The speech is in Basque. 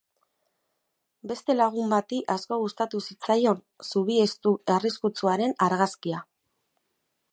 Beste lagun bati asko gustatu zitzaion zubi estu arriskutsuaren argazkia.